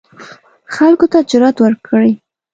خلکو ته جرئت ورکړي